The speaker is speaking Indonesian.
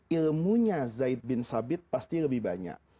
ilmunya zaid bin sabit pasti lebih banyak